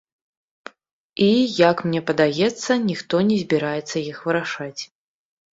І, як мне падаецца, ніхто не збіраецца іх вырашаць.